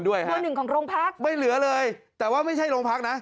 เบอร์หนึ่งของโรงพักไม่เหลือเลยแต่ว่าไม่ใช่โรงพักนะ